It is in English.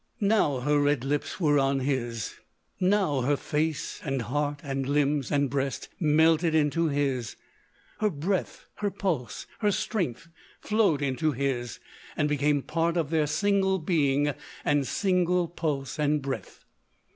Now her red lips were on his; now her face and heart and limbs and breast melted into his—her breath, her pulse, her strength flowed into his and became part of their single being and single pulse and breath.